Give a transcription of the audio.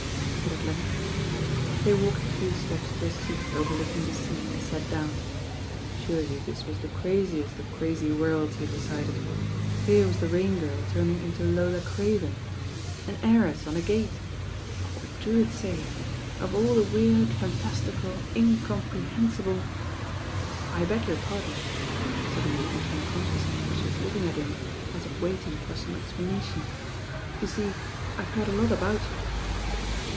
he said at length. They walked a few steps to a seat overlooking the sea and sat down. Surely this was the craziest of crary worlds, he decided. Here was the Rain 1 ll IM THE RAXN OIRL ! Girl tunung into Lola Crtven. An heircM on a gtte. What would Drewitt lay? Of all the weird, fantaitical, incompreheniible— "I beg your pardon.*' Suddenly he beca^ co». Kioui that the wai looking at him ai if w3tg for tome explanation. "You tee IVe heard a lot about you."